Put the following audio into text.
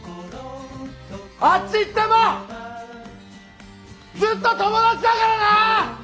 あっち行ってもずっと友達だからな！